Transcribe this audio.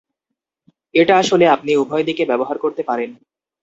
এটা আসলে আপনি উভয় দিকে ব্যবহার করতে পারেন।